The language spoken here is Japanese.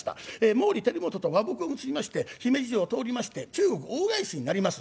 毛利輝元と和睦を結びまして姫路城を通りまして中国大返しになります。